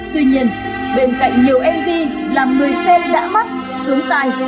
tuy nhiên bên cạnh nhiều mv làm người xem đã bắt sướng tay